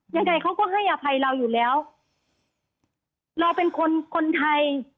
ยังไงเขาก็ให้อภัยเราอยู่แล้วเราเป็นคนคนไทย